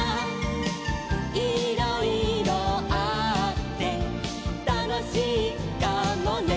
「いろいろあってたのしいかもね」